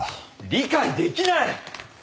理解できない！